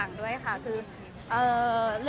มันเป็นปัญหาจัดการอะไรครับ